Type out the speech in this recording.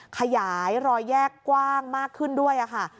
ขยายรอยแยกกว้างมากขึ้นด้วยค่ะ